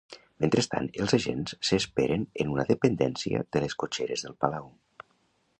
Mentrestant, els agents s’esperen en una dependència de les cotxeres del palau.